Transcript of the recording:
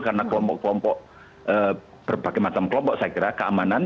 karena kelompok kelompok berbagai macam kelompok saya kira keamanan